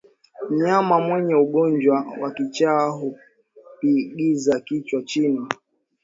Mnyama mwenye ugonjwa wa kichaa hupigiza kichwa chini